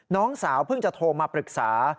น้องสาวเพิ่งจะโทรมาปรึกษา